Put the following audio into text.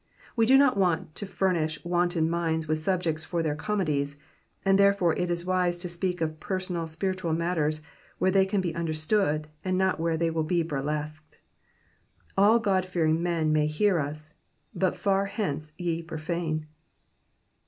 We do not w&nt to furnish wanton minds with subjects for their comedies, and therefore it is wise to speak of personal spiritual matters where they can be understood, and not where they will be burlesqued. All God fearing men may hear us, but far hence ye profane.